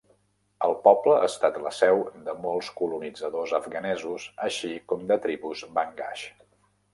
El poble ha estat la seu de molts colonitzadors afganesos, així com de tribus Bangash.